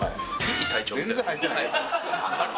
全然入ってないですよ。